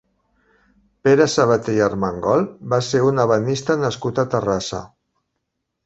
Pere Sabater i Armengol va ser un ebenista nascut a Terrassa.